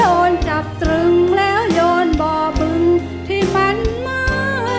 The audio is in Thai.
โทรใจคนสีดำดำโครนนี่หรือคือคนที่บอกว่ารักฉันอับงาน